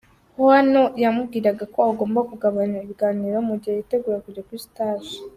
Hano yamubwiraga ko agomba kugabanya ibiganiro mu gihe yitegura kujya kuri stage.